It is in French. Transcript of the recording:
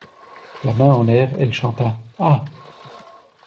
La main en l'air, elle chanta: Ah!